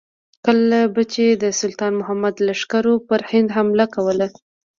کله به چې د سلطان محمود لښکرو پر هند حمله کوله.